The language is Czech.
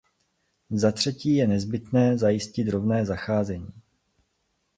Zatřetí je nezbytné zajistit rovné zacházení.